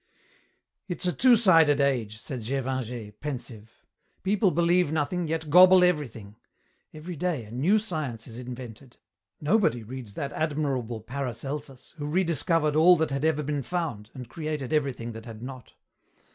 "It's a two sided age," said Gévingey, pensive. "People believe nothing, yet gobble everything. Every day a new science is invented. Nobody reads that admirable Paracelsus who rediscovered all that had ever been found and created everything that had not.